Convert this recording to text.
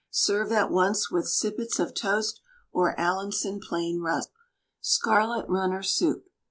Serve at once with sippets of toast, or Allinson plain rusks. SCARLET RUNNER SOUP.